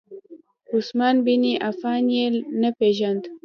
عثمان بن عفان یې نه پیژاند.